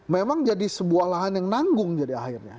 memang jadi sebuah lahan yang nanggung jadi akhirnya